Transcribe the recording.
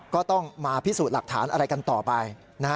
ก็ต้องมาพิสูจน์หลักฐานอะไรกันต่อไป